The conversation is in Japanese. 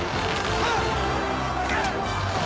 あっ！